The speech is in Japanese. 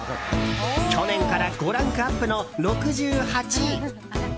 去年から５ランクアップの６８位！